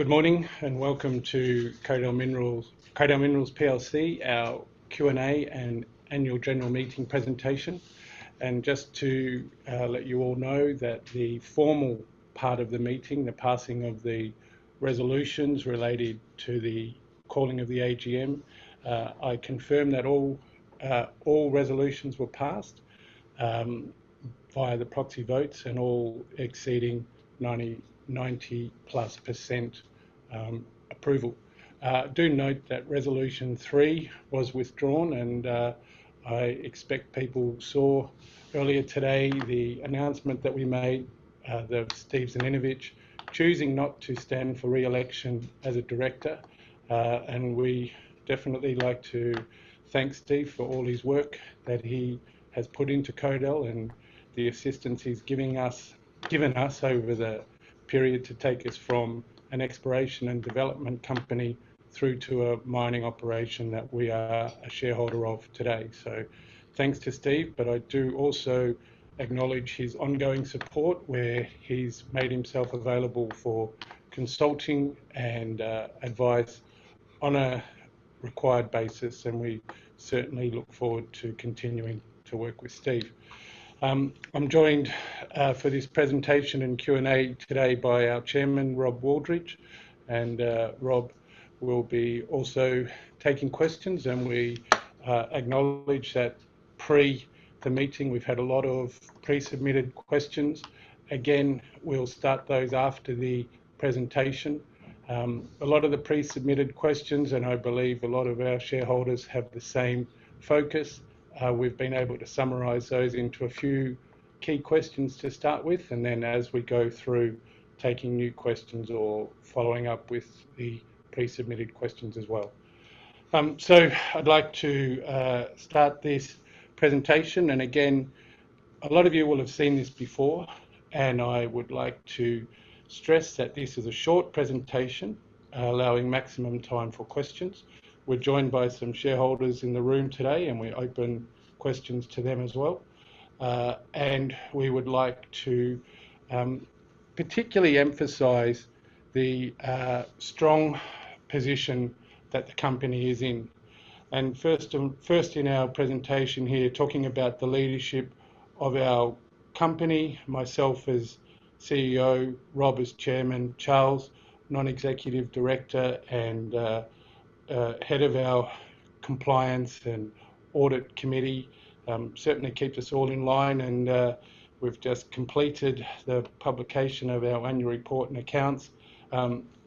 Good morning, welcome to Kodal Minerals plc, our Q&A and annual general meeting presentation. Just to let you all know that the formal part of the meeting, the passing of the resolutions related to the calling of the AGM, I confirm that all resolutions were passed via the proxy votes exceeding 90-plus % approval. Do note that resolution 3 was withdrawn. I expect people saw earlier today the announcement that we made, that Steve Zaninovich choosing not to stand for re-election as a director. We definitely like to thank Steve for all his work that he has put into Kodal and the assistance he's given us over the period to take us from an exploration and development company through to a mining operation that we are a shareholder of today. Thanks to Steve, I do also acknowledge his ongoing support, where he's made himself available for consulting and advice on a required basis. We certainly look forward to continuing to work with Steve. I'm joined for this presentation and Q&A today by our chairman, Rob Wooldridge. Rob will be also taking questions. We acknowledge that pre the meeting, we've had a lot of pre-submitted questions. Again, we'll start those after the presentation. A lot of the pre-submitted questions, I believe a lot of our shareholders have the same focus. We've been able to summarize those into a few key questions to start with, then as we go through taking new questions or following up with the pre-submitted questions as well. I'd like to start this presentation. Again, a lot of you will have seen this before. I would like to stress that this is a short presentation, allowing maximum time for questions. We're joined by some shareholders in the room today. We open questions to them as well. We would like to particularly emphasize the strong position that the company is in. First in our presentation here, talking about the leadership of our company, myself as CEO, Rob as chairman, Charles, non-executive director and head of our compliance and Audit Committee. Certainly keeps us all in line. We've just completed the publication of our annual report and accounts.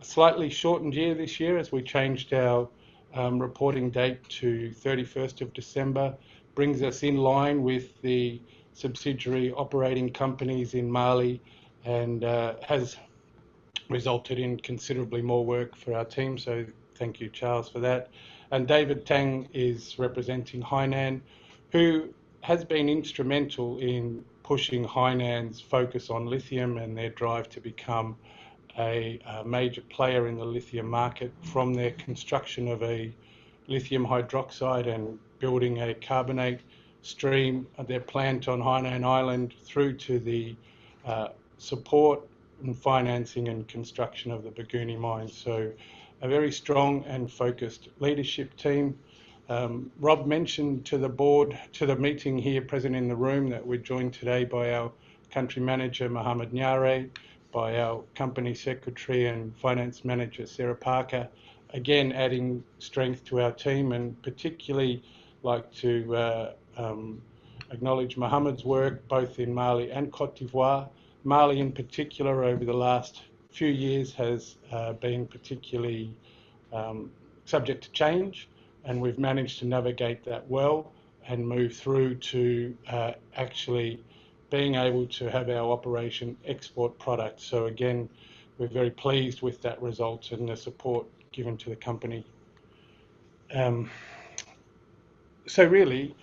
Slightly shortened year this year as we changed our reporting date to 31st of December. Brings us in line with the subsidiary operating companies in Mali has resulted in considerably more work for our team. Thank you, Charles, for that. David Teng is representing Hainan, who has been instrumental in pushing Hainan's focus on lithium and their drive to become a major player in the lithium market from their construction of a lithium hydroxide and building a carbonate stream at their plant on Hainan Island through to the support in financing and construction of the Bougouni mine. A very strong and focused leadership team. Rob mentioned to the board, to the meeting here present in the room that we're joined today by our country manager, Mohammed Niaré, by our company secretary and finance manager, Sarah Parker. Again, adding strength to our team particularly like to acknowledge Mohammed Niaré's work both in Mali and Côte d'Ivoire. Mali, in particular, over the last few years, has been particularly subject to change. We've managed to navigate that well and move through to actually being able to have our operation export product. Again, we're very pleased with that result and the support given to the company. Really,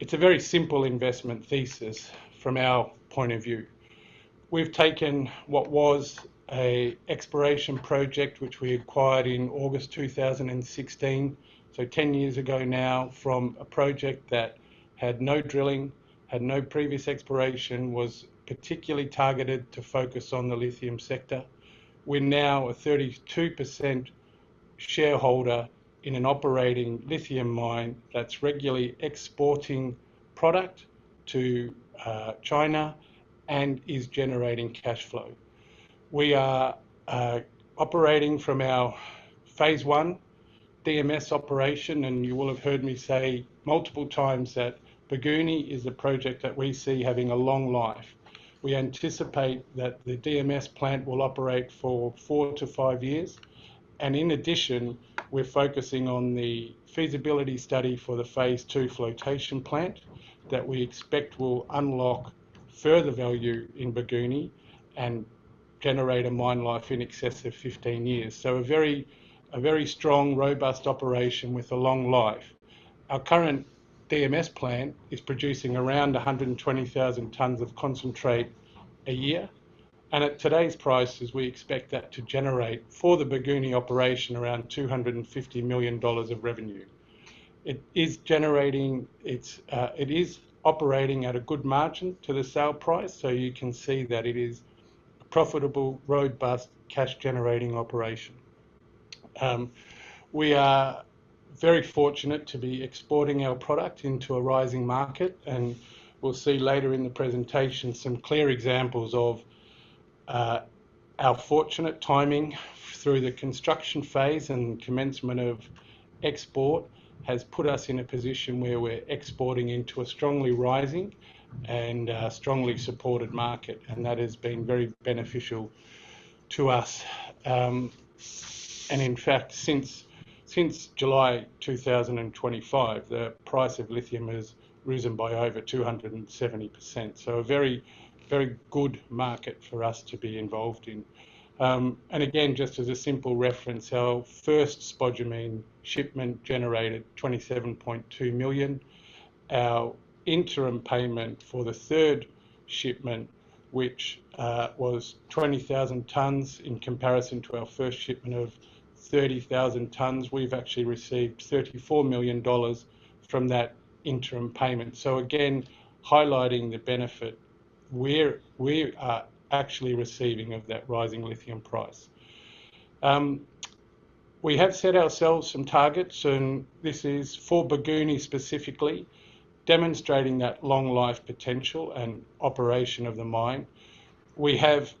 it's a very simple investment thesis from our point of view. We've taken what was an exploration project, which we acquired in August 2016, so 10 years ago now, from a project that had no drilling, had no previous exploration, was particularly targeted to focus on the lithium sector. We're now a 32% shareholder in an operating lithium mine that's regularly exporting product to China and is generating cash flow. We are operating from our phase 1 DMS operation. You will have heard me say multiple times that Bougouni is a project that we see having a long life. We anticipate that the DMS plant will operate for four to five years. In addition, we're focusing on the feasibility study for the phase 2 flotation plant that we expect will unlock further value in Bougouni and generate a mine life in excess of 15 years. A very strong, robust operation with a long life. Our current DMS plant is producing around 120,000 tonnes of concentrate a year. At today's prices, we expect that to generate for the Bougouni operation around $250 million of revenue. It is operating at a good margin to the sale price. You can see that it is a profitable, robust, cash-generating operation. We are very fortunate to be exporting our product into a rising market. We'll see later in the presentation some clear examples of our fortunate timing through the construction phase and commencement of export has put us in a position where we're exporting into a strongly rising and a strongly supported market. That has been very beneficial to us. In fact, since July 2025, the price of lithium has risen by over 270%. A very good market for us to be involved in. Again, just as a simple reference, our first spodumene shipment generated $27.2 million. Our interim payment for the third shipment, which was 20,000 tonnes in comparison to our first shipment of 30,000 tonnes, we've actually received $34 million from that interim payment. Again, highlighting the benefit we are actually receiving of that rising lithium price. We have set ourselves some targets. This is for Bougouni specifically, demonstrating that long life potential and operation of the mine. We have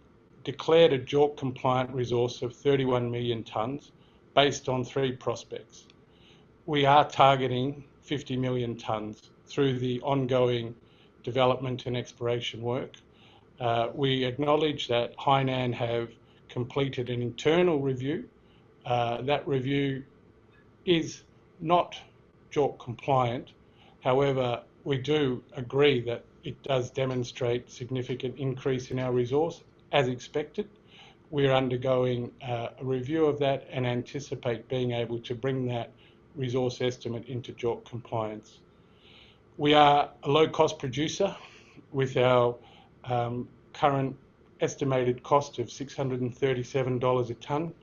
declared a JORC compliant resource of 31 million tonnes based on three prospects. We are targeting 50 million tonnes through the ongoing development and exploration work. We acknowledge that Hainan have completed an internal review. That review is not JORC compliant. However, we do agree that it does demonstrate significant increase in our resource as expected. We are undergoing a review of that and anticipate being able to bring that resource estimate into JORC compliance. We are a low-cost producer with our current estimated cost of $637 a tonne.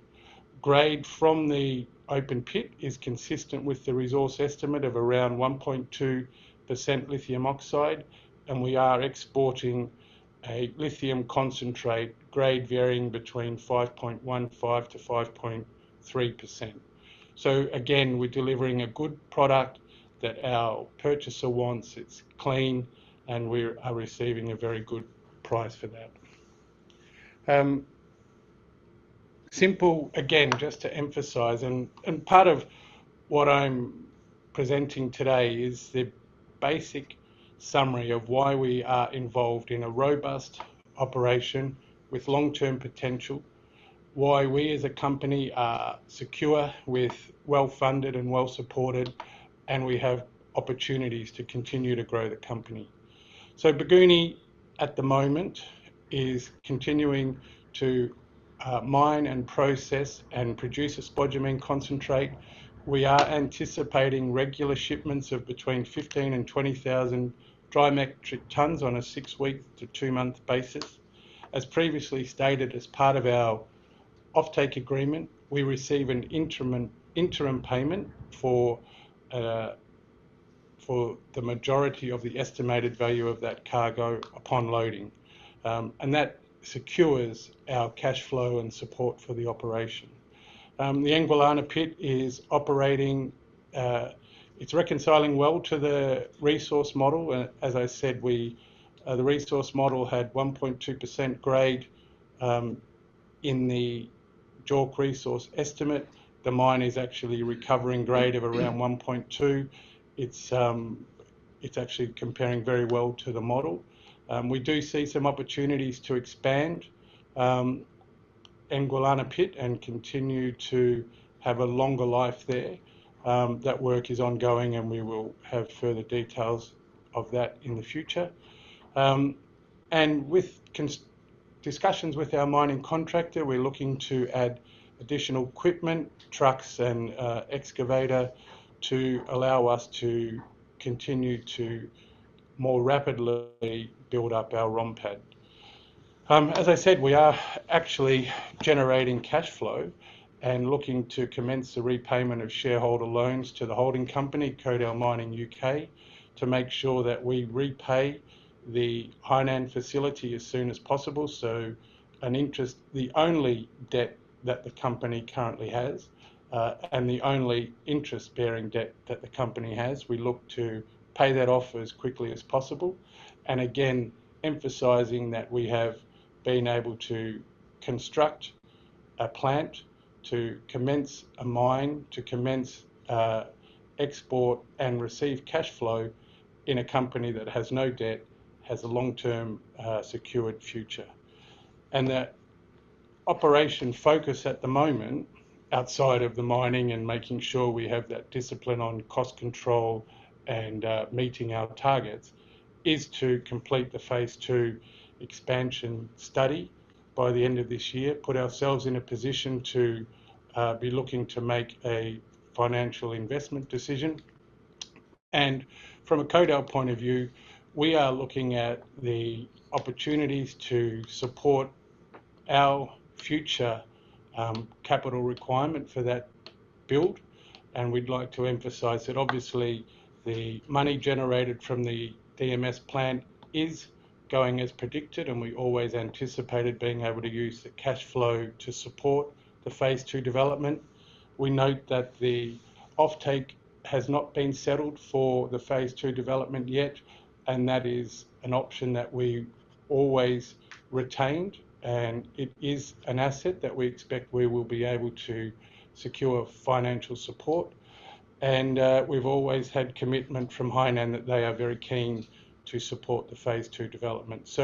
Grade from the open pit is consistent with the resource estimate of around 1.2% lithium oxide. We are exporting a lithium concentrate grade varying between 5.15% to 5.3%. Again, we're delivering a good product that our purchaser wants, it's clean, and we are receiving a very good price for that. Simple, again, just to emphasize and part of what I'm presenting today is the basic summary of why we are involved in a robust operation with long-term potential, why we as a company are secure with well-funded and well-supported, and we have opportunities to continue to grow the company. Bougouni at the moment is continuing to mine and process and produce a spodumene concentrate. We are anticipating regular shipments of between 15,000 and 20,000 dry metric tonnes on a six-week to two-month basis. As previously stated, as part of our offtake agreement, we receive an interim payment for the majority of the estimated value of that cargo upon loading. That secures our cash flow and support for the operation. The Ngoualana pit is operating. It's reconciling well to the resource model. As I said, the resource model had 1.2% grade, in the JORC resource estimate. The mine is actually recovering grade of around 1.2. It's actually comparing very well to the model. We do see some opportunities to expand Ngoualana pit and continue to have a longer life there. That work is ongoing, and we will have further details of that in the future. With discussions with our mining contractor, we're looking to add additional equipment, trucks, and excavator to allow us to continue to more rapidly build up our ROM pad. As I said, we are actually generating cash flow and looking to commence the repayment of shareholder loans to the holding company, Kodal Mining UK, to make sure that we repay the Hainan facility as soon as possible. The only debt that the company currently has, and the only interest-bearing debt that the company has, we look to pay that off as quickly as possible. Again, emphasizing that we have been able to construct a plant, to commence a mine, to commence export and receive cash flow in a company that has no debt, has a long-term, secured future. The operation focus at the moment, outside of the mining and making sure we have that discipline on cost control and meeting our targets, is to complete the phase 2 expansion study by the end of this year, put ourselves in a position to be looking to make a financial investment decision. From a Kodal point of view, we are looking at the opportunities to support our future capital requirement for that build, and we'd like to emphasize that obviously the money generated from the DMS plant is going as predicted, and we always anticipated being able to use the cash flow to support the phase 2 development. We note that the offtake has not been settled for the phase 2 development yet, and that is an option that we always retained, and it is an asset that we expect we will be able to secure financial support. We've always had commitment from Hainan that they are very keen to support the phase 2 development.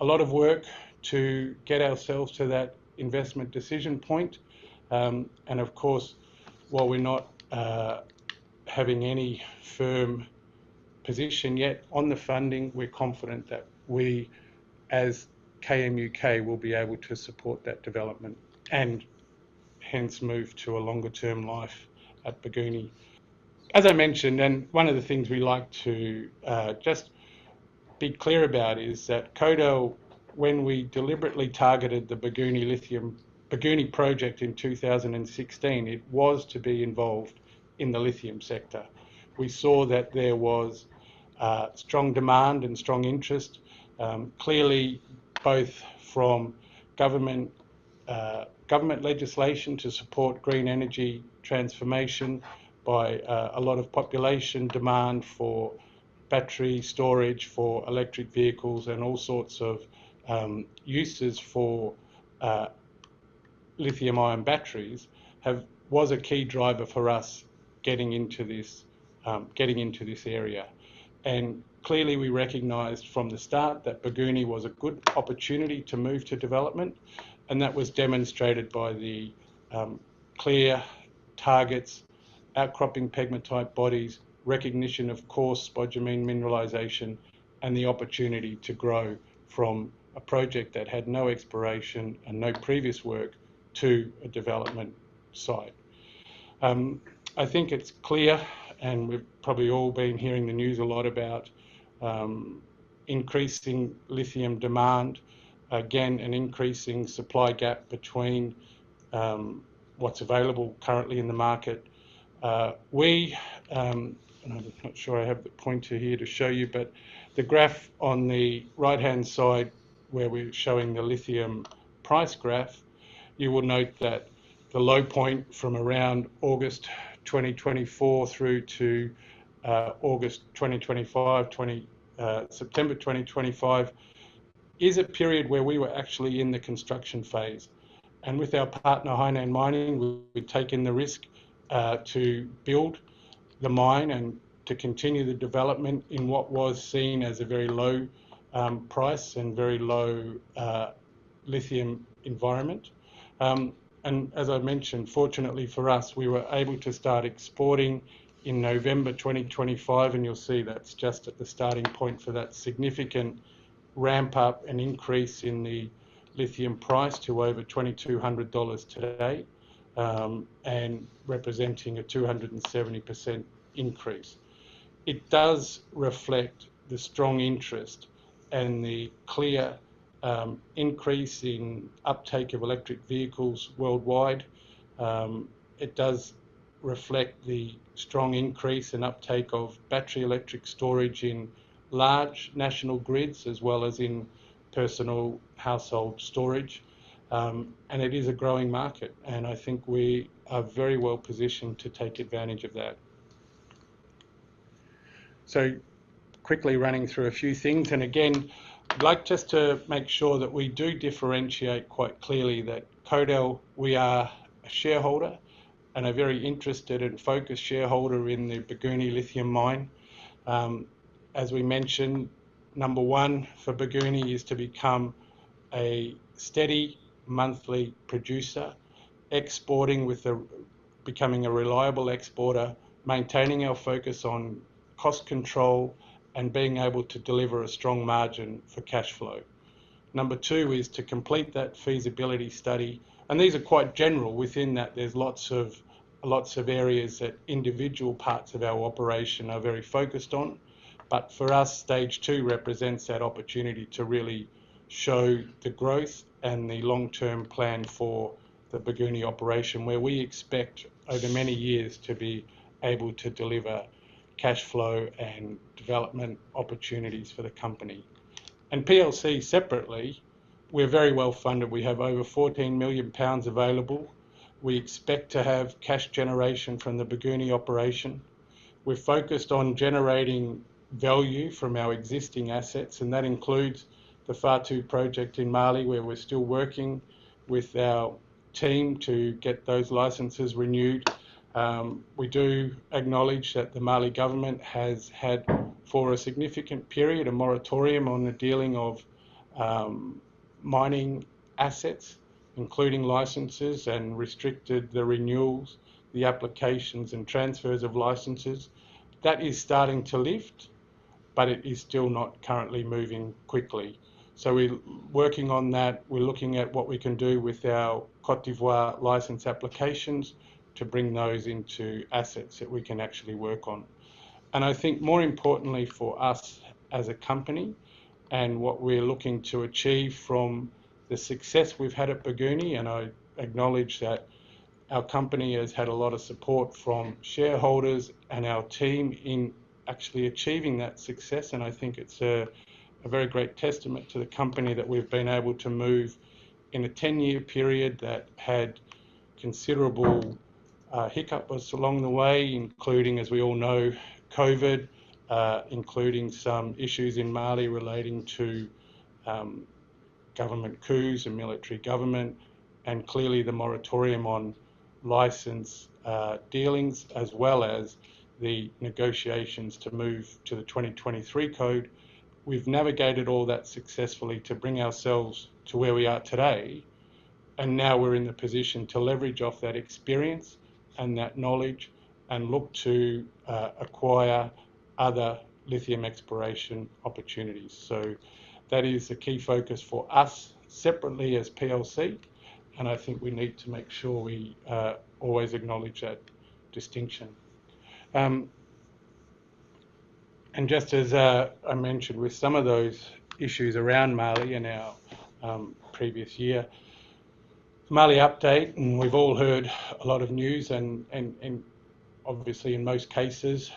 A lot of work to get ourselves to that investment decision point. Of course, while we're not having any firm position yet on the funding, we're confident that we, as KMUK, will be able to support that development, and hence move to a longer-term life at Bougouni. As I mentioned, one of the things we like to just be clear about is that Kodal, when we deliberately targeted the Bougouni project in 2016, it was to be involved in the lithium sector. We saw that there was strong demand and strong interest. Clearly, both from government legislation to support green energy transformation by a lot of population demand for battery storage for electric vehicles and all sorts of uses for lithium-ion batteries was a key driver for us getting into this area. Clearly, we recognized from the start that Bougouni was a good opportunity to move to development, and that was demonstrated by the clear targets, outcropping pegmatite bodies, recognition, of course, by germane mineralization, and the opportunity to grow from a project that had no exploration and no previous work to a development site. I think it's clear, we've probably all been hearing the news a lot about increasing lithium demand. Again, an increasing supply gap between what's available currently in the market. I'm not sure I have the pointer here to show you, but the graph on the right-hand side where we're showing the lithium price graph, you will note that the low point from around August 2024 through to August 2025, September 2025, is a period where we were actually in the construction phase. With our partner, Hainan Mining, we've taken the risk to build the mine and to continue the development in what was seen as a very low price and very low lithium environment. As I mentioned, fortunately for us, we were able to start exporting in November 2025, and you'll see that's just at the starting point for that significant ramp-up and increase in the lithium price to over $2,200 today, representing a 270% increase. It does reflect the strong interest and the clear increase in uptake of electric vehicles worldwide. It does reflect the strong increase in uptake of battery electric storage in large national grids, as well as in personal household storage. It is a growing market, and I think we are very well-positioned to take advantage of that. Quickly running through a few things, again, I'd like just to make sure that we do differentiate quite clearly that Kodal, we are a shareholder and a very interested and focused shareholder in the Bougouni Lithium Mine. As we mentioned, number one for Bougouni is to become a steady monthly producer, exporting with becoming a reliable exporter, maintaining our focus on cost control, and being able to deliver a strong margin for cash flow. Number two is to complete that feasibility study. These are quite general. Within that, there's lots of areas that individual parts of our operation are very focused on. For us, stage 2 represents that opportunity to really show the growth and the long-term plan for the Bougouni operation, where we expect over many years to be able to deliver cash flow and development opportunities for the company. PLC, separately, we're very well-funded. We have over 14 million pounds available. We expect to have cash generation from the Bougouni operation. We're focused on generating value from our existing assets, and that includes the FAR2 project in Mali, where we're still working with our team to get those licenses renewed. We do acknowledge that the Mali government has had, for a significant period, a moratorium on the dealing of mining assets, including licenses, and restricted the renewals, the applications, and transfers of licenses. That is starting to lift, but it is still not currently moving quickly. We're working on that. We're looking at what we can do with our Côte d'Ivoire license applications to bring those into assets that we can actually work on. I think more importantly for us as a company and what we're looking to achieve from the success we've had at Bougouni, and I acknowledge that our company has had a lot of support from shareholders and our team in actually achieving that success, and I think it's a very great testament to the company that we've been able to move in a 10-year period that had considerable, hiccup us along the way, including, as we all know, COVID, including some issues in Mali relating to government coups and military government, and clearly the moratorium on license dealings, as well as the negotiations to move to the 2023 Code. We've navigated all that successfully to bring ourselves to where we are today, and now we're in the position to leverage off that experience and that knowledge and look to acquire other lithium exploration opportunities. That is a key focus for us separately as PLC, and I think we need to make sure we always acknowledge that distinction. Just as I mentioned with some of those issues around Mali in our previous year, Mali update, and we've all heard a lot of news and obviously in most cases,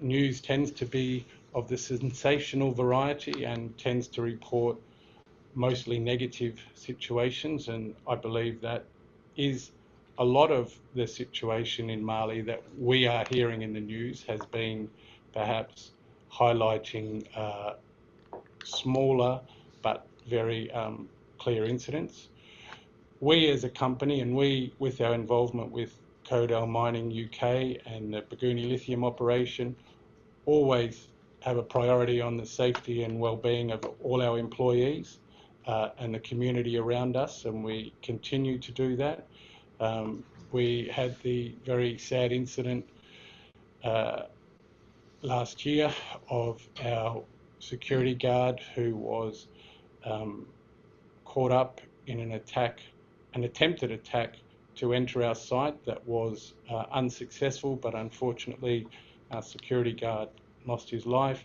news tends to be of the sensational variety and tends to report mostly negative situations. I believe that is a lot of the situation in Mali that we are hearing in the news has been perhaps highlighting smaller but very clear incidents. We as a company, and we with our involvement with Kodal Mining UK and the Bougouni Lithium operation, always have a priority on the safety and wellbeing of all our employees, and the community around us, and we continue to do that. We had the very sad incident, last year of our security guard who was caught up in an attack, an attempted attack to enter our site that was unsuccessful, but unfortunately, a security guard lost his life.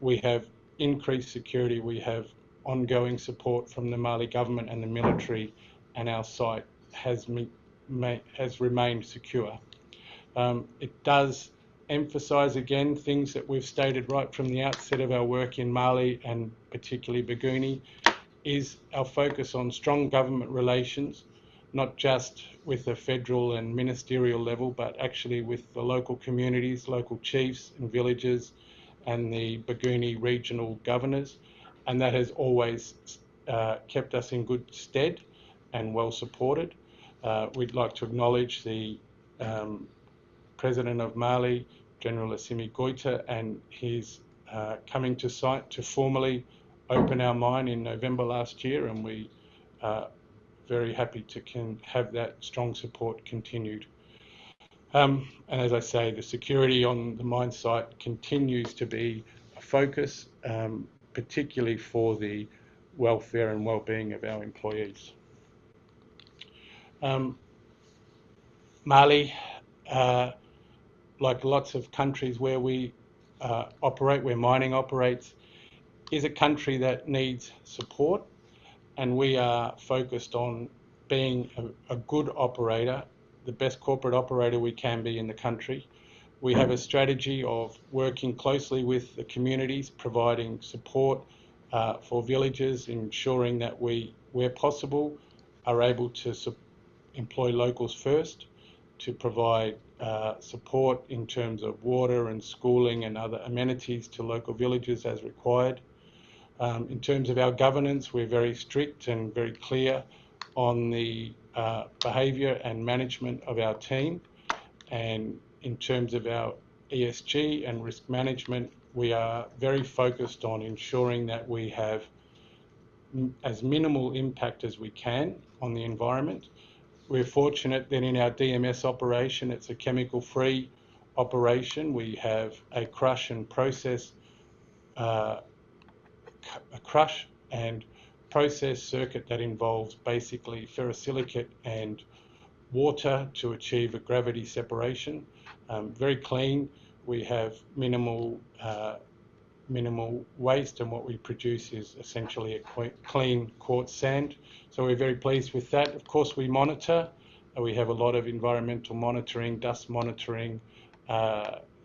We have increased security, we have ongoing support from the Mali government and the military, and our site has remained secure. It does emphasize, again, things that we've stated right from the outset of our work in Mali and particularly Bougouni, is our focus on strong government relations, not just with the federal and ministerial level, but actually with the local communities, local chiefs and villages and the Bougouni regional governors. That has always kept us in good stead and well-supported. We'd like to acknowledge the President of Mali, General Assimi Goïta and his coming to site to formally open our mine in November last year. We are very happy to have that strong support continued. As I say, the security on the mine site continues to be a focus, particularly for the welfare and wellbeing of our employees. Mali, like lots of countries where we operate, where mining operates, is a country that needs support and we are focused on being a good operator, the best corporate operator we can be in the country. We have a strategy of working closely with the communities, providing support for villages, ensuring that we, where possible, are able to employ locals first, to provide support in terms of water and schooling and other amenities to local villages as required. In terms of our governance, we're very strict and very clear on the behavior and management of our team. In terms of our ESG and risk management, we are very focused on ensuring that we have as minimal impact as we can on the environment. We're fortunate that in our DMS operation, it's a chemical-free operation. We have a crush and process circuit that involves basically ferrosilicon and water to achieve a gravity separation. Very clean. We have minimal waste, and what we produce is essentially a clean quartz sand. We're very pleased with that. Of course, we monitor and we have a lot of environmental monitoring, dust monitoring,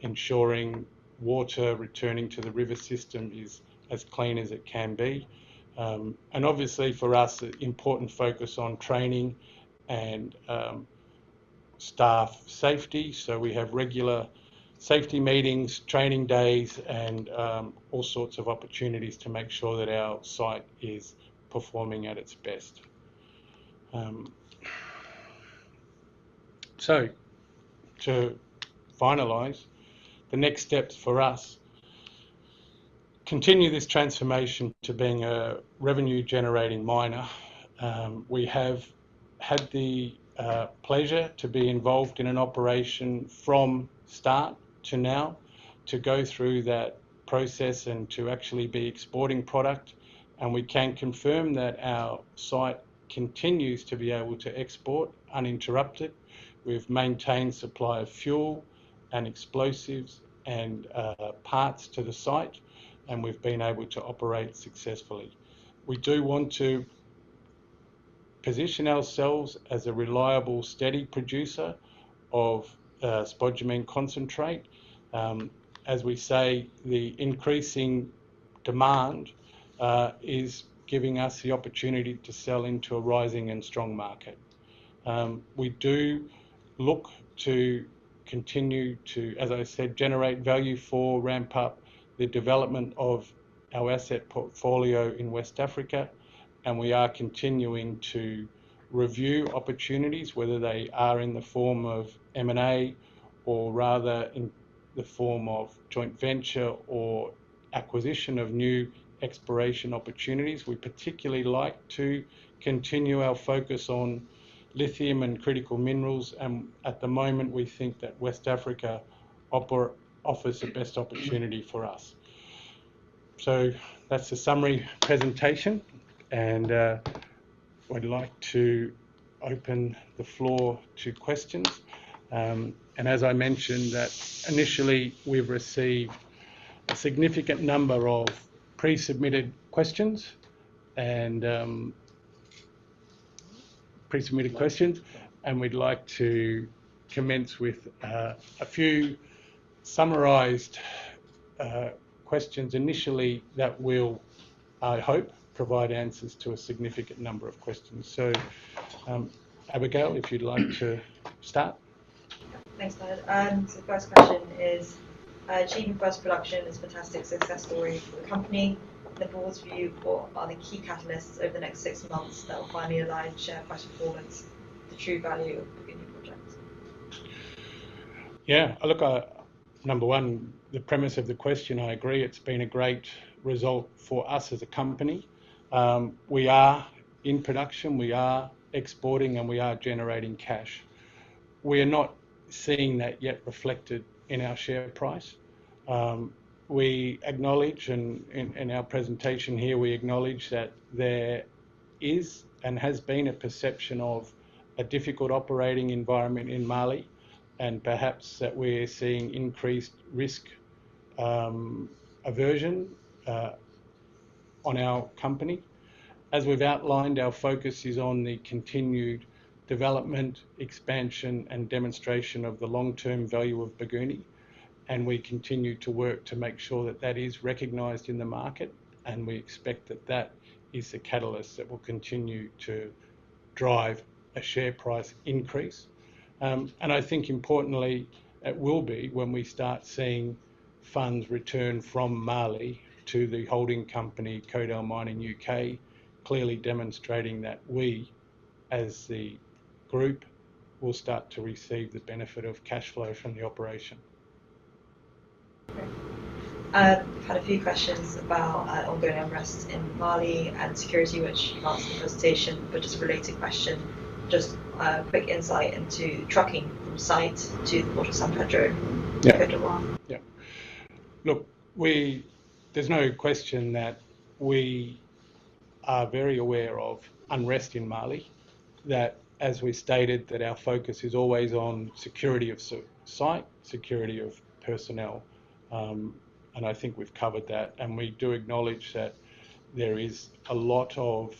ensuring water returning to the river system is as clean as it can be. Obviously for us, an important focus on training and staff safety. We have regular safety meetings, training days, and all sorts of opportunities to make sure that our site is performing at its best. To finalize the next steps for us, continue this transformation to being a revenue-generating miner. We have had the pleasure to be involved in an operation from start to now, to go through that process and to actually be exporting product. We can confirm that our site continues to be able to export uninterrupted. We've maintained supply of fuel and explosives and parts to the site, and we've been able to operate successfully. We do want to position ourselves as a reliable, steady producer of spodumene concentrate. As we say, the increasing demand is giving us the opportunity to sell into a rising and strong market. We do look to continue to, as I said, generate value for ramp up the development of our asset portfolio in West Africa. We are continuing to review opportunities, whether they are in the form of M&A or rather in the form of joint venture or acquisition of new exploration opportunities. We particularly like to continue our focus on lithium and critical minerals. At the moment, we think that West Africa offers the best opportunity for us. That's the summary presentation. We'd like to open the floor to questions. As I mentioned that initially, we've received a significant number of pre-submitted questions. We'd like to commence with a few summarized questions initially that will, I hope, provide answers to a significant number of questions. Abigail, if you'd like to start. Thanks, Glenn. The first question is, achieving first production is a fantastic success story for the company. From the board's view, what are the key catalysts over the next six months that will finally align share price performance with the true value of the new project? Yeah. Look, number 1, the premise of the question, I agree, it's been a great result for us as a company. We are in production, we are exporting, and we are generating cash. We are not seeing that yet reflected in our share price. In our presentation here, we acknowledge that there is and has been a perception of a difficult operating environment in Mali, and perhaps that we're seeing increased risk aversion on our company. As we've outlined, our focus is on the continued development, expansion and demonstration of the long-term value of Bougouni. We continue to work to make sure that that is recognized in the market, and we expect that that is the catalyst that will continue to drive a share price increase. I think importantly, it will be when we start seeing funds return from Mali to the holding company, Kodal Mining UK, clearly demonstrating that we, as the group, will start to receive the benefit of cash flow from the operation. Okay. I've had a few questions about ongoing unrest in Mali and security, which you asked in the presentation, but just a related question. Just a quick insight into trucking from site to the port of San Pedro. Yeah in the Côte d'Ivoire. Yeah. Look, there's no question that we are very aware of unrest in Mali, that as we stated, that our focus is always on security of site, security of personnel. I think we've covered that, and we do acknowledge that there is a lot of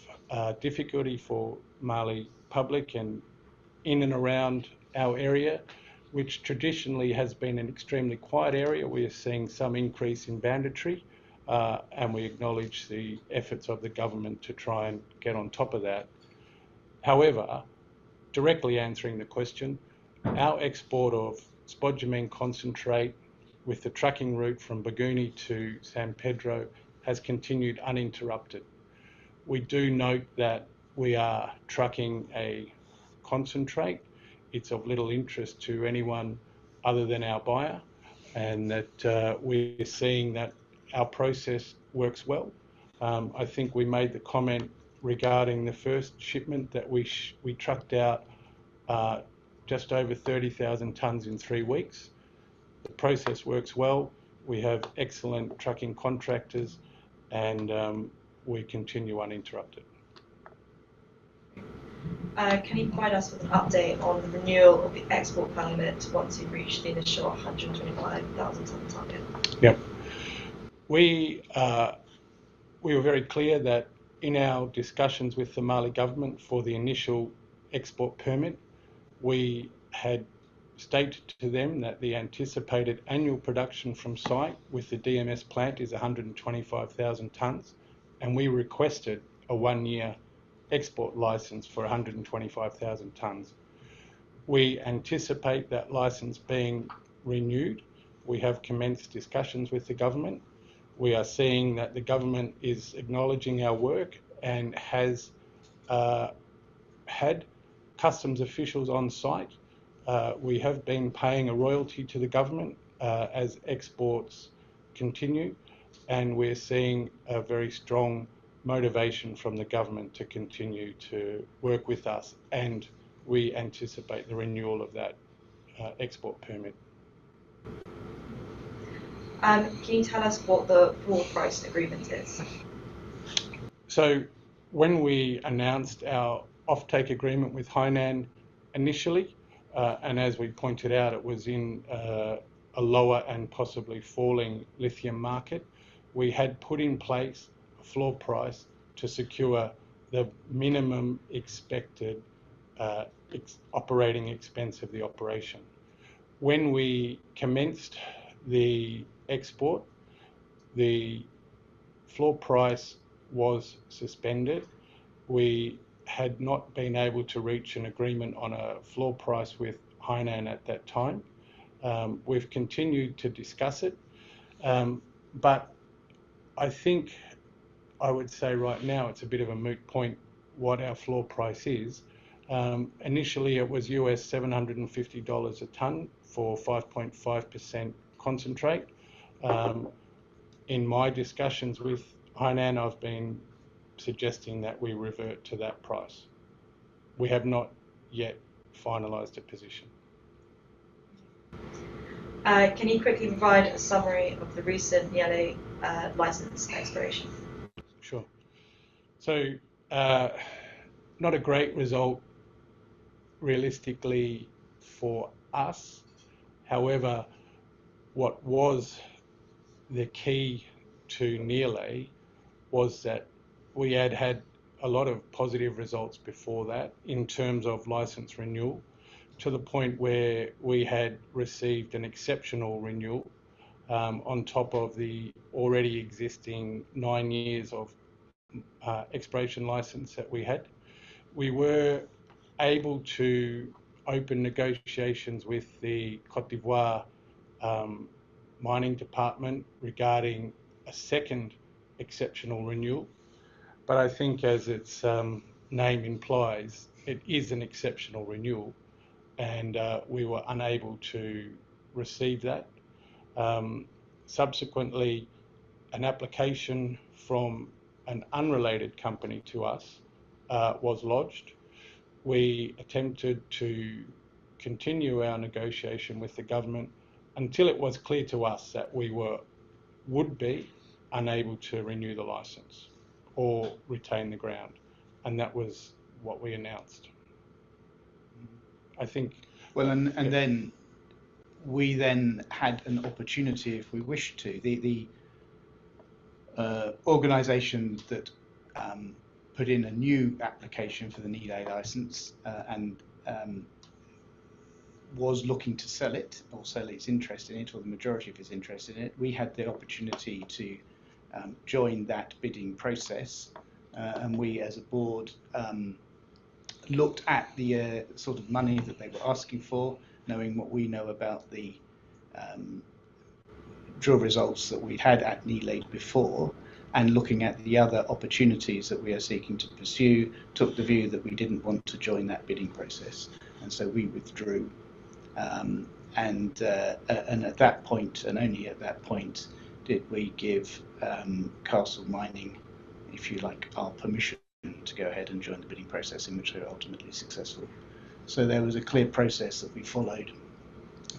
difficulty for Mali public and in and around our area, which traditionally has been an extremely quiet area. We are seeing some increase in banditry. We acknowledge the efforts of the government to try and get on top of that. However, directly answering the question, our export of spodumene concentrate with the trucking route from Bougouni to San Pedro has continued uninterrupted. We do note that we are trucking a concentrate. It's of little interest to anyone other than our buyer, and that we're seeing that our process works well. I think we made the comment regarding the first shipment that we trucked out just over 30,000 tonnes in three weeks. The process works well. We have excellent trucking contractors, we continue uninterrupted. Can you provide us with an update on the renewal of the export permit once you've reached the initial 125,000-tonne target? We were very clear that in our discussions with the Mali Government for the initial export permit, we had stated to them that the anticipated annual production from site with the DMS plant is 125,000 tonnes, and we requested a 1-year export license for 125,000 tonnes. We anticipate that license being renewed. We have commenced discussions with the Government. We are seeing that the Government is acknowledging our work and has had customs officials on site. We have been paying a royalty to the Government as exports continue, and we're seeing a very strong motivation from the Government to continue to work with us, and we anticipate the renewal of that export permit. Can you tell us what the floor price agreement is? When we announced our offtake agreement with Hainan initially, and as we pointed out, it was in a lower and possibly falling lithium market. We had put in place a floor price to secure the minimum expected operating expense of the operation. When we commenced the export, the floor price was suspended. We had not been able to reach an agreement on a floor price with Hainan at that time. We've continued to discuss it. I think I would say right now it's a bit of a moot point what our floor price is. Initially it was US$750 a tonne for 5.5% concentrate. In my discussions with Hainan, I've been suggesting that we revert to that price. We have not yet finalized a position. Can you quickly provide a summary of the recent Niéla license expiration? Sure. Not a great result realistically for us. However, what was the key to Niéla was that we had had a lot of positive results before that in terms of license renewal, to the point where we had received an exceptional renewal, on top of the already existing nine years of exploration license that we had. We were able to open negotiations with the Côte d'Ivoire mining department regarding a second exceptional renewal. I think as its name implies, it is an exceptional renewal and we were unable to receive that. Subsequently, an application from an unrelated company to us was lodged. We attempted to continue our negotiation with the government until it was clear to us that we would be unable to renew the license or retain the ground, and that was what we announced. We then had an opportunity if we wished to. The organization that put in a new application for the Niéla license and was looking to sell it or sell its interest in it, or the majority of its interest in it. We had the opportunity to join that bidding process. We, as a board, looked at the sort of money that they were asking for, knowing what we know about the drill results that we'd had at Niéla before, and looking at the other opportunities that we are seeking to pursue, took the view that we didn't want to join that bidding process. We withdrew. At that point, and only at that point, did we give Hainan Mining, if you like, our permission to go ahead and join the bidding process in which they were ultimately successful. There was a clear process that we followed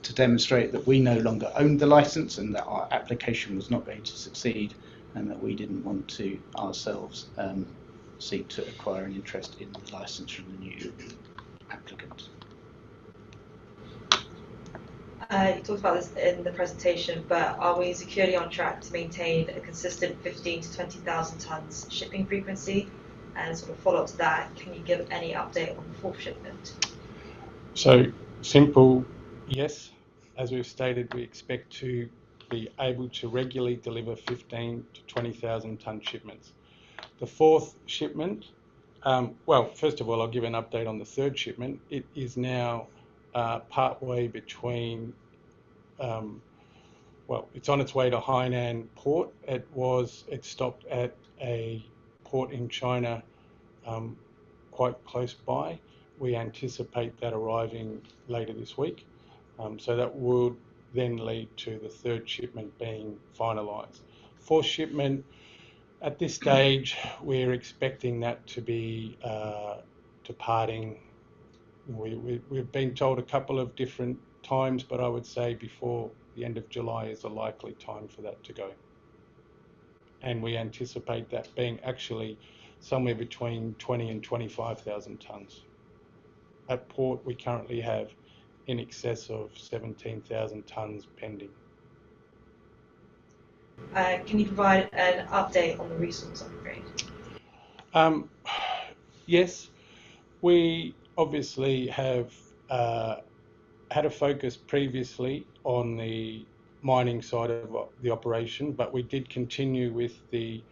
to demonstrate that we no longer owned the license and that our application was not going to succeed, and that we didn't want to ourselves seek to acquire an interest in the license from the new applicant. You talked about this in the presentation, are we securely on track to maintain a consistent 15,000-20,000 tonnes shipping frequency? Sort of follow up to that, can you give any update on the fourth shipment? Simple, yes. As we've stated, we expect to be able to regularly deliver 15,000-20,000 tonne shipments. First of all, I'll give you an update on the third shipment. It is now on its way to Hainan Port. It stopped at a port in China quite close by. We anticipate that arriving later this week. That would then lead to the third shipment being finalized. Fourth shipment, at this stage, we're expecting that to be departing. We've been told a couple of different times, but I would say before the end of July is a likely time for that to go. We anticipate that being actually somewhere between 20,000-25,000 tonnes. At port, we currently have in excess of 17,000 tonnes pending. Can you provide an update on the resource upgrade? Yes. We obviously have had a focus previously on the mining side of the operation, but we did continue with the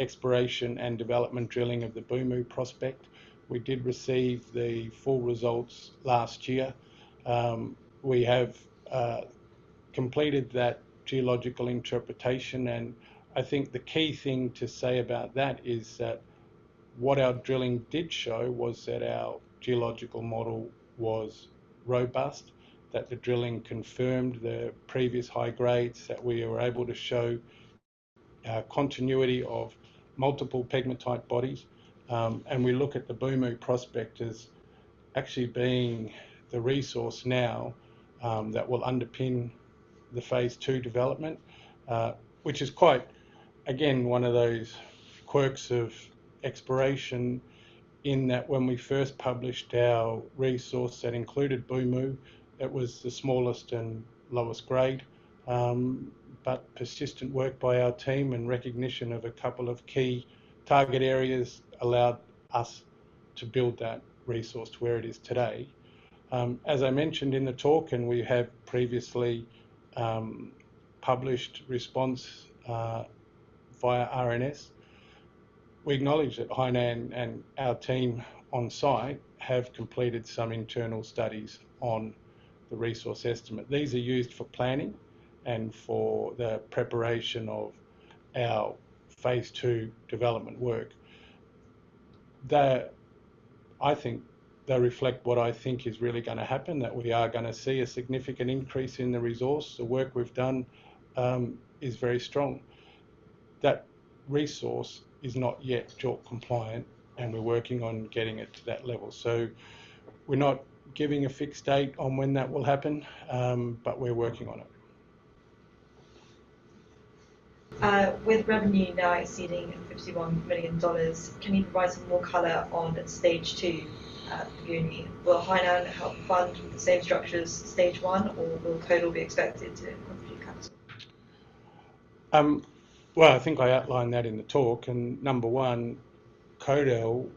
exploration and development drilling of the Boumou prospect. We did receive the full results last year. We have completed that geological interpretation, and I think the key thing to say about that is that what our drilling did show was that our geological model was robust, that the drilling confirmed the previous high grades, that we were able to show Our continuity of multiple pegmatite bodies. We look at the Boumou prospect as actually being the resource now that will underpin the phase 2 development. Which is quite, again, one of those quirks of exploration in that when we first published our resource that included Boumou, it was the smallest and lowest grade. Persistent work by our team and recognition of two key target areas allowed us to build that resource to where it is today. As I mentioned in the talk, we have previously published response via RNS. We acknowledge that Hainan and our team on site have completed some internal studies on the resource estimate. These are used for planning and for the preparation of our phase 2 development work. I think they reflect what I think is really going to happen, that we are going to see a significant increase in the resource. The work we've done is very strong. That resource is not yet JORC compliant, and we're working on getting it to that level. We're not giving a fixed date on when that will happen, but we're working on it. With revenue now exceeding $51 million, can you provide some more color on Stage 2 at Bougouni? Will Hainan help fund with the same structures as Stage 1, or will Kodal be expected to contribute capital? Well, I think I outlined that in the talk. Number 1, Kodal,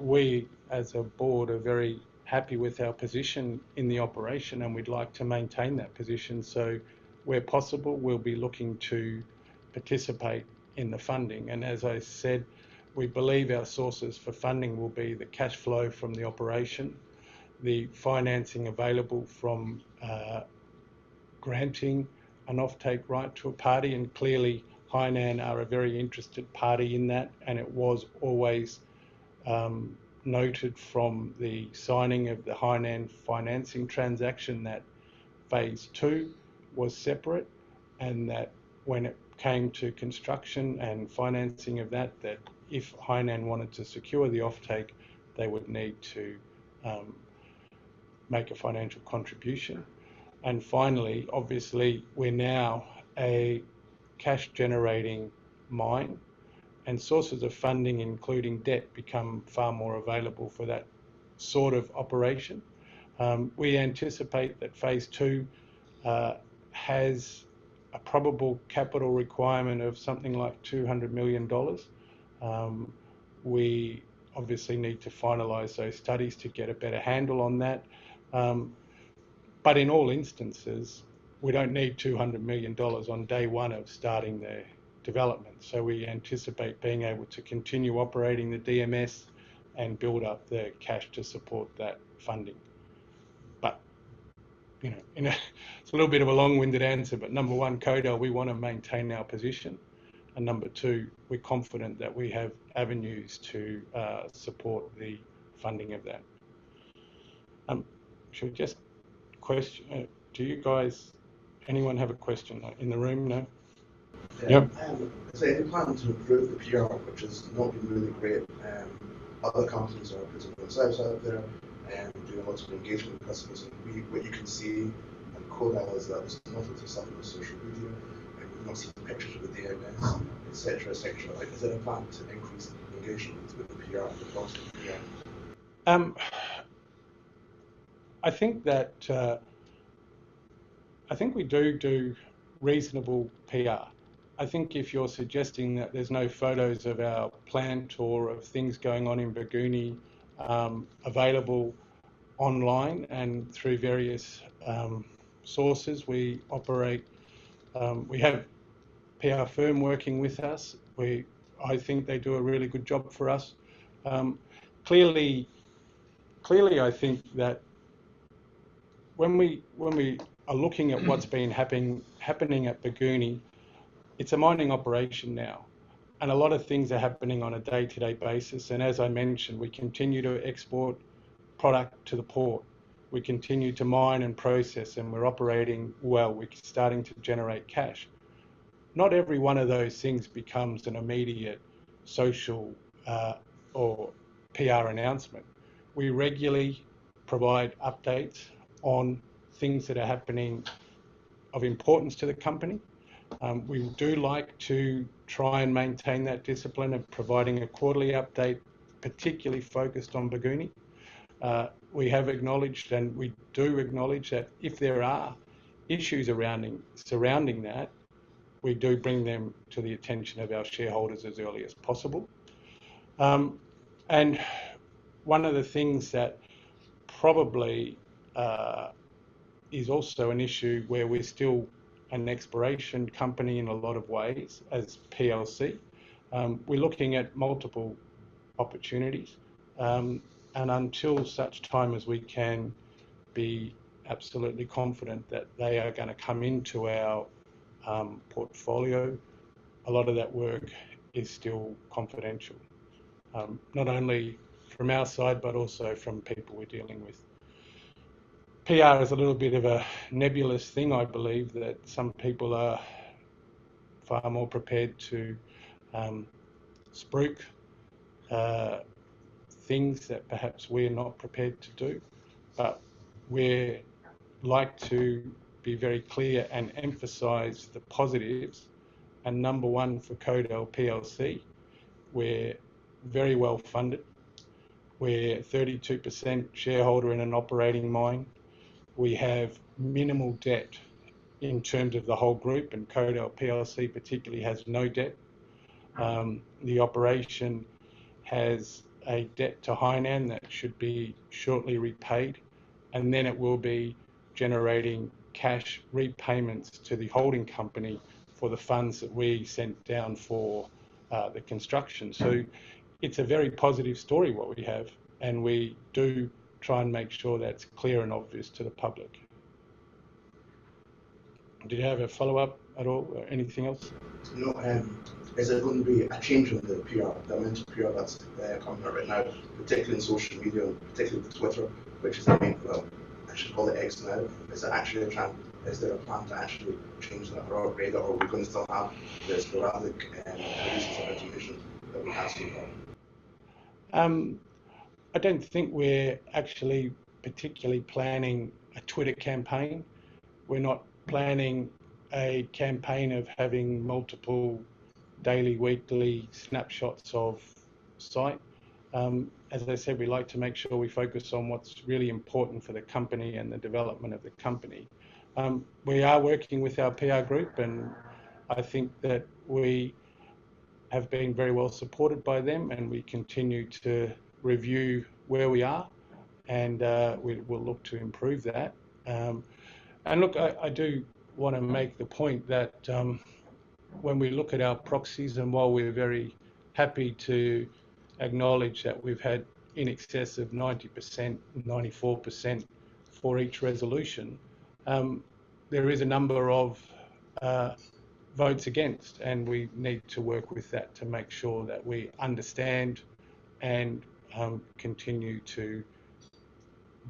we, as a board, are very happy with our position in the operation, and we'd like to maintain that position. Where possible, we'll be looking to participate in the funding. As I said, we believe our sources for funding will be the cash flow from the operation, the financing available from granting an offtake right to a party. Clearly, Hainan are a very interested party in that, and it was always noted from the signing of the Hainan financing transaction that Phase 2 was separate, and that when it came to construction and financing of that if Hainan wanted to secure the offtake, they would need to make a financial contribution. Finally, obviously, we're now a cash-generating mine, and sources of funding, including debt, become far more available for that sort of operation. We anticipate that Phase 2 has a probable capital requirement of something like $200 million. We obviously need to finalize those studies to get a better handle on that. In all instances, we don't need $200 million on day 1 of starting the development. We anticipate being able to continue operating the DMS and build up the cash to support that funding. It's a little bit of a long-winded answer. Number 1, Kodal, we want to maintain our position. Number 2, we're confident that we have avenues to support the funding of that. Do you guys, anyone have a question in the room? No? Yep. Any plan to improve the PR, which has not been really great. Other companies are putting themselves out there and doing lots of engagement with customers. Where you can see Kodal is that there's nothing to start with on social media, and we've not seen pictures of the DMS, et cetera. Is there a plan to increase the engagement with the PR and the cost of PR? I think we do reasonable PR. I think if you're suggesting that there's no photos of our plant or of things going on in Bougouni available online and through various sources. We have a PR firm working with us. I think they do a really good job for us. Clearly, I think that when we are looking at what's been happening at Bougouni, it's a mining operation now, and a lot of things are happening on a day-to-day basis. As I mentioned, we continue to export product to the port. We continue to mine and process, and we're operating well. We're starting to generate cash. Not every one of those things becomes an immediate social or PR announcement. We regularly provide updates on things that are happening of importance to the company. We do like to try and maintain that discipline of providing a quarterly update, particularly focused on Bougouni. We have acknowledged, and we do acknowledge that if there are issues surrounding that, we do bring them to the attention of our shareholders as early as possible. One of the things that probably is also an issue where we're still an exploration company in a lot of ways as PLC. We're looking at multiple opportunities. Until such time as we can be absolutely confident that they are going to come into our portfolio, a lot of that work is still confidential. Not only from our side but also from people we're dealing with. PR is a little bit of a nebulous thing. I believe that some people are far more prepared to spruik things that perhaps we're not prepared to do. We like to be very clear and emphasize the positives. Number one for Kodal PLC, we're very well-funded. We're 32% shareholder in an operating mine. We have minimal debt in terms of the whole group, and Kodal PLC particularly has no debt. The operation has a debt to Hainan that should be shortly repaid, and then it will be generating cash repayments to the holding company for the funds that we sent down for the construction. It's a very positive story, what we have, and we do try and make sure that's clear and obvious to the public. Did you have a follow-up at all or anything else? No. Is there going to be a change in the PR, the amount of PR that's coming out right now, particularly in social media and particularly Twitter, which is, I mean, I should call it X now. Is there a plan to actually change that or are we going to still have the sporadic releases of information that we have seen? I don't think we're actually particularly planning a Twitter campaign. We're not planning a campaign of having multiple daily, weekly snapshots of site. As I said, we like to make sure we focus on what's really important for the company and the development of the company. We are working with our PR group, and I think that we have been very well supported by them, and we continue to review where we are, and we'll look to improve that. Look, I do want to make the point that when we look at our proxies, and while we're very happy to acknowledge that we've had in excess of 90%, 94% for each resolution, there is a number of votes against, and we need to work with that to make sure that we understand and continue to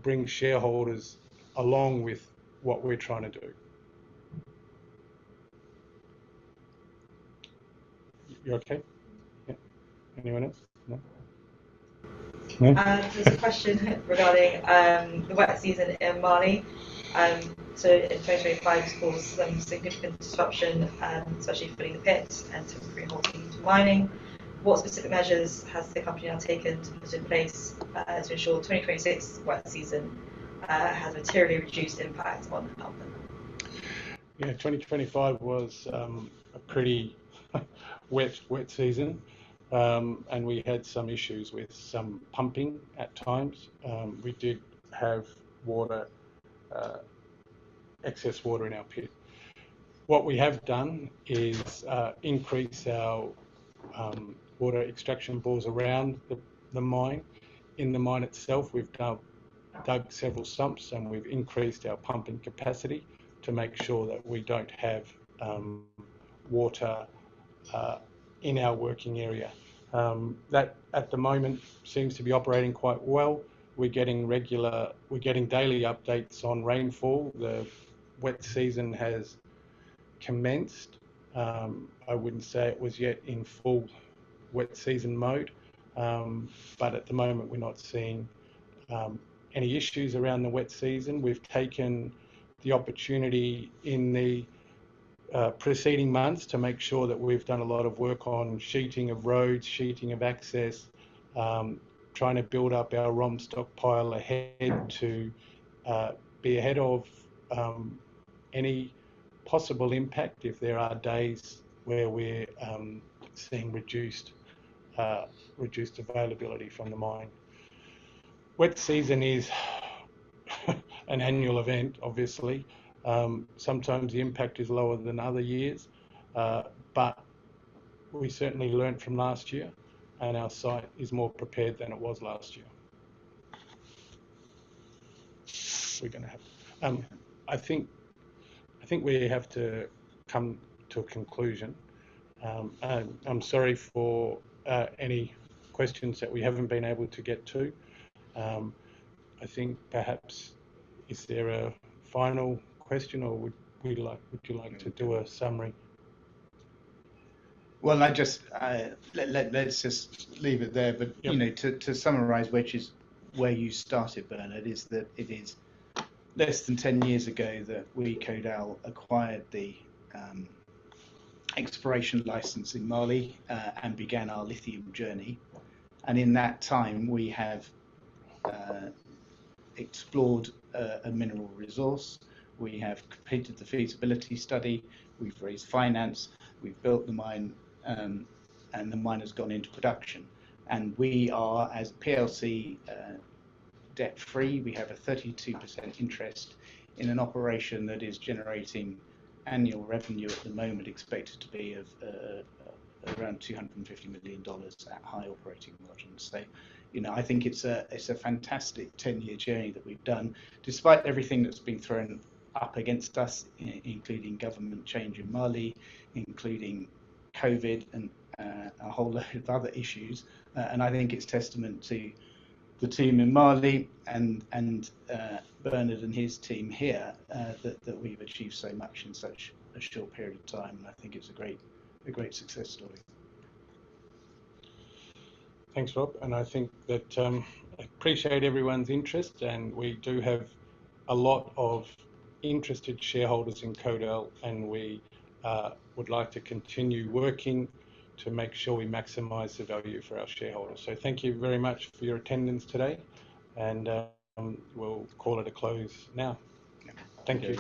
bring shareholders along with what we're trying to do. You okay? Yeah. Anyone else? No? There's a question regarding the wet season in Mali. In 2025, caused some significant disruption, especially filling the pits and temporarily halting mining. What specific measures has the company now taken to put in place to ensure 2026 wet season has materially reduced impact on the company? Yeah, 2025 was a pretty wet season. We had some issues with some pumping at times. We did have excess water in our pit. What we have done is increase our water extraction bores around the mine. In the mine itself, we've dug several sumps, and we've increased our pumping capacity to make sure that we don't have water in our working area. That, at the moment, seems to be operating quite well. We're getting daily updates on rainfall. The wet season has commenced. I wouldn't say it was yet in full wet season mode. At the moment, we're not seeing any issues around the wet season. We've taken the opportunity in the preceding months to make sure that we've done a lot of work on sheeting of roads, sheeting of access, trying to build up our ROM stockpile ahead to be ahead of any possible impact if there are days where we're seeing reduced availability from the mine. Wet season is an annual event, obviously. Sometimes the impact is lower than other years. We certainly learnt from last year, and our site is more prepared than it was last year. I think we have to come to a conclusion. I'm sorry for any questions that we haven't been able to get to. I think perhaps, is there a final question, or would you like to do a summary? Well, let's just leave it there. Yeah. To summarize, which is where you started, Bernard, it is less than 10 years ago that we, Kodal, acquired the exploration license in Mali and began our lithium journey. In that time, we have explored a mineral resource. We have completed the feasibility study. We've raised finance. We've built the mine, and the mine has gone into production. We are, as PLC, debt-free. We have a 32% interest in an operation that is generating annual revenue at the moment expected to be of around GBP 250 million at high operating margins. I think it's a fantastic 10-year journey that we've done despite everything that's been thrown up against us, including government change in Mali, including COVID, and a whole load of other issues. I think it's testament to the team in Mali and Bernard and his team here that we've achieved so much in such a short period of time. I think it's a great success story. Thanks, Rob, I think that I appreciate everyone's interest. We do have a lot of interested shareholders in Kodal, and we would like to continue working to make sure we maximize the value for our shareholders. Thank you very much for your attendance today, and we'll call it a close now. Yeah. Thank you.